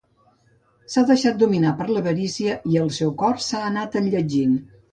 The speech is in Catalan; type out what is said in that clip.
S'ha deixat dominar per l'avarícia, i el seu cor s'ha anat enlletgint.